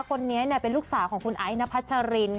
คนนี้เป็นลูกสาวของคุณไอ้นพัชริน